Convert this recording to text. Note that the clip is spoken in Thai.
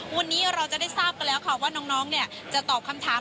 วันนี้เราจะได้ทราบกันแล้วค่ะว่าน้องจะตอบคำถาม